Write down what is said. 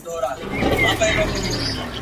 الوتني یې کولې و هر لورته !.